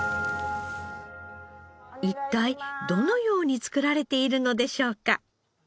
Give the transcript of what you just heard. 一体どのように作られているのでしょうか。